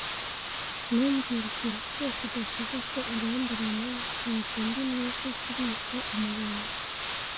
Ntumbwire ikintu cyose udashaka ko abandi bamenya. Ntabwo ndi mwiza kubika amabanga.